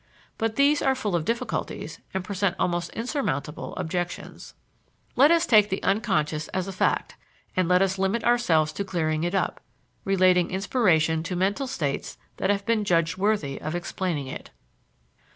Both these are full of difficulties and present almost insurmountable objections. Let us take the "unconscious" as a fact and let us limit ourselves to clearing it up, relating inspiration to mental states that have been judged worthy of explaining it.